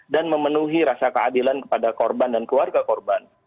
dan memenuhi rasa keadilan kepada korban dan keluarga korban